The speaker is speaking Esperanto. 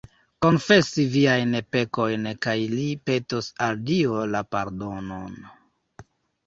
Konfesi viajn pekojn kaj li petos al Dio la pardonon